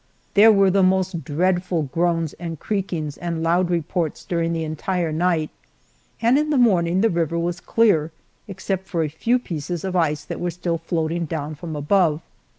There were the most dreadful groans and creakings and loud reports during the entire night, and in the morning the river was clear, except for a few pieces of ice that were still floating down from above.